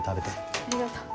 ありがとう。